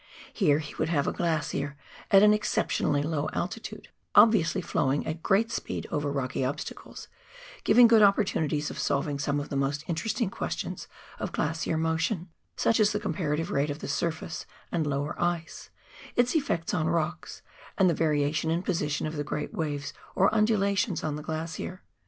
Here he would have a glacier at an exceptionally low altitude, obviously flowing at great speed over rocky obstacles, giving good opportunities of solving some of the most interesting questions of glacier motion : such as the comparative rate of the surface and lower ice, its eiftcts on rocks, and the variation in position of the great waves or undulations on the glacier.